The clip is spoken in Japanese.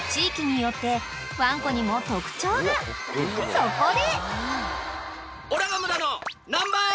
［そこで］